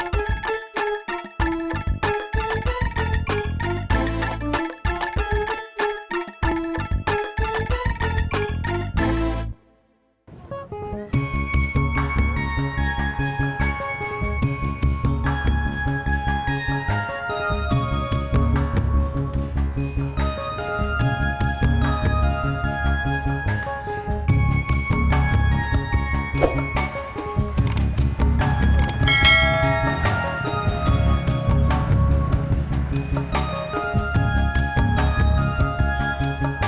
justru dijemput dah ke tempat